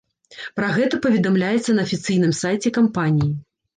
Пра гэта паведамляецца на афіцыйным сайце кампаніі.